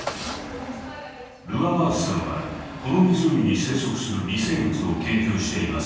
ルアワーズさんはこの湖に生息する微生物を研究しています。